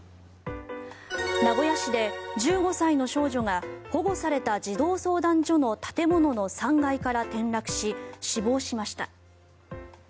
名古屋市で１５歳の少女が保護された児童相談所の建物の３階から転落し死亡しました。